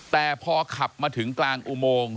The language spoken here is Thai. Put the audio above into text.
แต่พอขับมาถึงกลางอุโมง